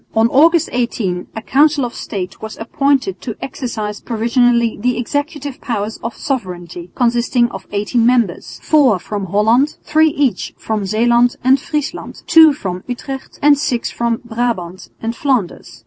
On August 18 a Council of State was appointed to exercise provisionally the executive powers of sovereignty, consisting of eighteen members, four from Holland, three each from Zeeland and Friesland, two from Utrecht and six from Brabant and Flanders.